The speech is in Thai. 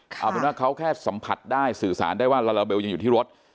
เอาเป็นว่าเขาแค่สัมผัสได้สื่อสารได้ว่าลาลาเบลยังอยู่ที่รถ